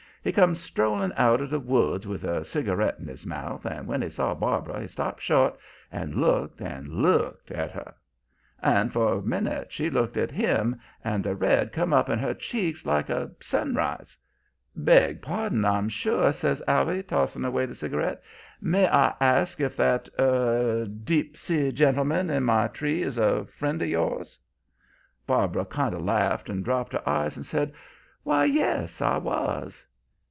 He come strolling out of the woods with a cigarette in his mouth, and when he saw Barbara he stopped short and looked and looked at her. And for a minute she looked at him, and the red come up in her cheeks like a sunrise. "'Beg pardon, I'm sure,' says Allie, tossing away the cigarette. 'May I ask if that er deep sea gentleman in my tree is a friend of yours?' "Barbara kind of laughed and dropped her eyes, and said why, yes, I was.